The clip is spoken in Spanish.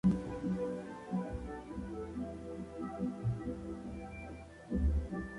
En el edificio fueron enterrados el segundo, cuarto y quinto señores de Annandale.